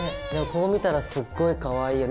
こう見たらすっごいかわいいよ。